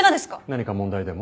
何か問題でも？